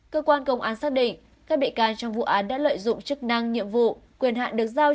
cơ quan công an xác định các bị can trong vụ án đã lợi dụng chức năng nhiệm vụ quyền hạn được giao